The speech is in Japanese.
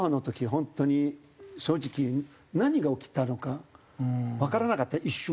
本当に正直何が起きたのかわからなかった一瞬。